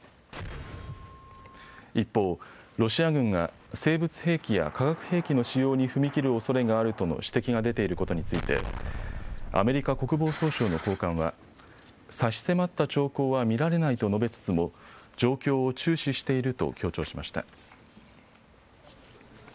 一方、ロシア軍が生物兵器や化学兵器の使用に踏み切るおそれがあるとの指摘が出ていることについてアメリカ国防総省の高官は差し迫った兆候は見られないと述べつつも状況を注視していると強調しました。